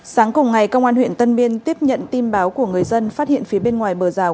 sáng cùng ngày công an huyện tân biên tiếp nhận tin báo của người dân phát hiện phía bên ngoài bờ rào